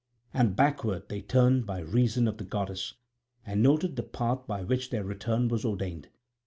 And backward they turned by reason of the goddess, and noted the path by which their return was ordained.